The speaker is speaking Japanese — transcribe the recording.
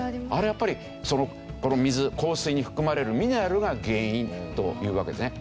やっぱりこの水硬水に含まれるミネラルが原因というわけですね。